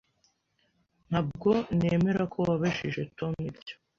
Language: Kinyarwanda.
Ntabwo nemera ko wabajije Tom ibyo.